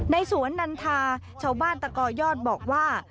สวนนันทาชาวบ้านตะกอยอดบอกว่า